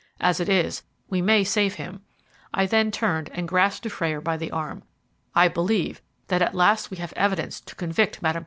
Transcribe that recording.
"As it is, we may save him." Then I turned and grasped Dufrayer by the arm. "I believe that at last we have evidence to convict Mme.